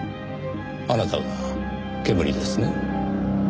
あなたがけむりですね？